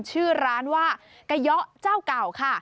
ชื่อร้านว่ากะเยาะเจ้าเก่าค่ะ